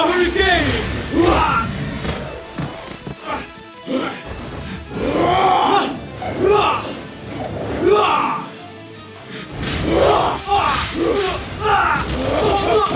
kau bukan pengenggal mahasiswa dan kita l hydraulic hatz